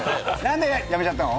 何でやめちゃったの？